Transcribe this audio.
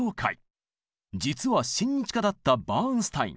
実は親日家だったバーンスタイン。